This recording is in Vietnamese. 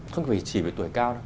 không chỉ vì tuổi cao đâu